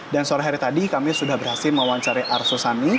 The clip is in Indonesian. dan sore hari tadi kami sudah berhasil mewawancari arsosani